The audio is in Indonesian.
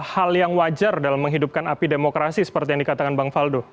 hal yang wajar dalam menghidupkan api demokrasi seperti yang dikatakan bang faldo